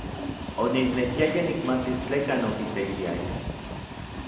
Oniknekiaya nikmatis tlekan okiteiliayaj.